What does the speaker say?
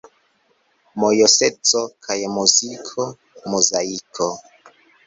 Mojoseco kaj muziko: Muzaiko!